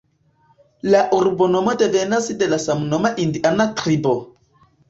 La urbonomo devenas de samnoma indiana tribo.